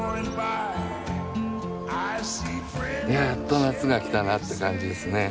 やっと夏が来たなって感じですね。